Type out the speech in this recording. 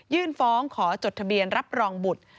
ฟ้องขอจดทะเบียนรับรองบุตร